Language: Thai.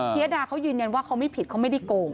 ยดาเขายืนยันว่าเขาไม่ผิดเขาไม่ได้โกง